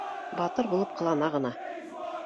Батыр булып ҡылана ғына